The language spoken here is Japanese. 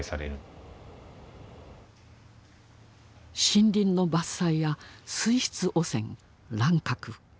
森林の伐採や水質汚染乱獲。